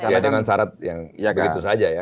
ya dengan syarat yang begitu saja ya